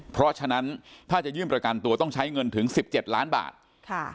เพราะฉะนั้นถ้าจะยื่นประกันตัวต้องใช้เงินถึงสิบเจ็ดล้านบาทค่ะ